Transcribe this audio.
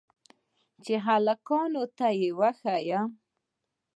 چې هلکانو ته يې وښييم.